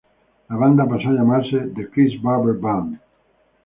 La banda pasó a llamarse "The Chris Barber Band".